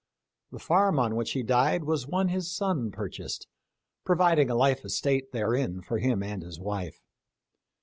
The farm on which he died was one his son purchased, providing a life estate therein for him and his wife.